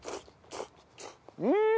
うん！